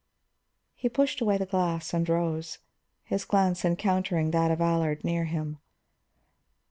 He pushed away the glass and rose, his glance encountering that of Allard near him.